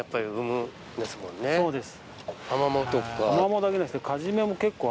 アマモだけじゃなくて。